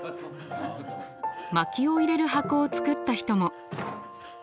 まきを入れる箱を作った人も。